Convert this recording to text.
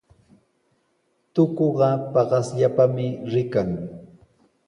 Tukuqa paqasllapami rikan.